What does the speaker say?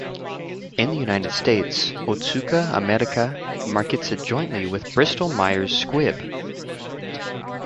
In the United States, Otsuka America markets it jointly with Bristol-Myers Squibb.